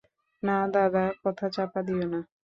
না দাদা, কথা চাপা দিয়ো না।